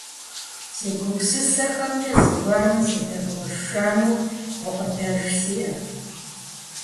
Си гупсысэхэмкӀэ зыгуэрым сыдэгуэшэну гукъыдэж сиӀэт.